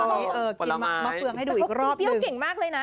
พี่เปรี้ยวกเก่งมากเลยนะ